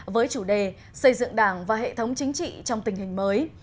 với chủ đề xây dựng đảng và hệ thống chính trị trong tình hình mới